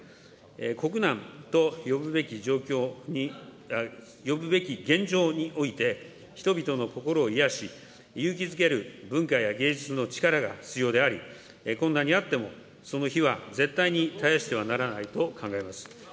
国難と呼ぶべき現状において、人々の心を癒やし、勇気づける文化や芸術の力が必要であり、困難にあっても、その火は絶対に絶やしてはならないと考えます。